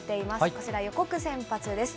こちら予告先発です。